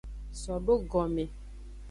So do gome.